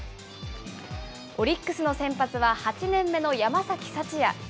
オリックスの先発は８年目の山崎福也。